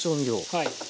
はい。